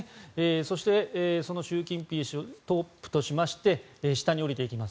そして、その習近平氏をトップとしまして下に降りていきます。